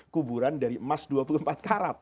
kuburan dari emas dua puluh empat karat